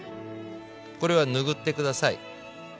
これは拭って下さい。